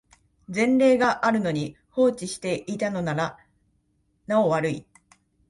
前例があるのに放置していたのならなお悪い